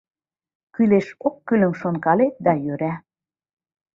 Кӱлеш-оккӱлым шонкалет да йӧра.